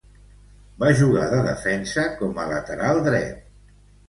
Va jugar de defensa com a lateral dret.